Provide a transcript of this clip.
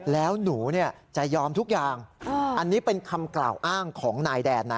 แล้วหนูจะยอมทุกอย่างอันนี้เป็นคำกล่าวอ้างของนายแดนนะ